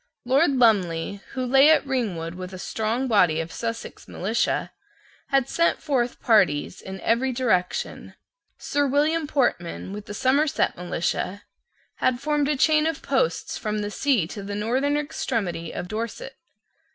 Lord Lumley, who lay at Ringwood with a strong body of the Sussex militia, had sent forth parties in every direction. Sir William Portman, with the Somerset militia, had formed a chain of posts from the sea to the northern extremity of Dorset.